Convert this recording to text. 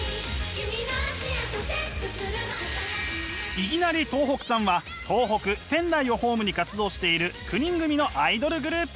いぎなり東北産は東北仙台をホームに活動している９人組のアイドルグループ。